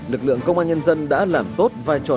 lực lượng công an nhân dân đã làm tốt vài trăm năm